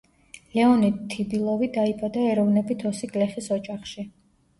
ლეონიდ თიბილოვი დაიბადა ეროვნებით ოსი გლეხის ოჯახში.